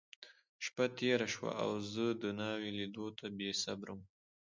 شپه تېره شوه، او زه د ناوې لیدو ته بېصبره وم.